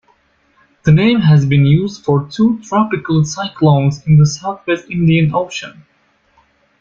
The name has been used for two tropical cyclones in the Southwest Indian Ocean.